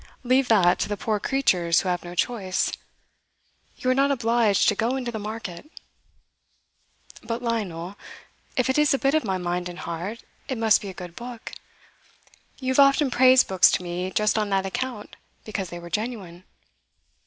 Leave that to the poor creatures who have no choice. You are not obliged to go into the market.' 'But, Lionel, if it is a bit of my mind and heart, it must be a good book. You have often praised books to me just on that account because they were genuine.